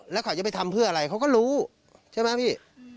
แล้วเขาจะไปทำเพื่ออะไรเขาก็รู้ใช่ไหมพี่